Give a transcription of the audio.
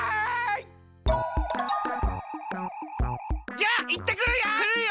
じゃあいってくるよ！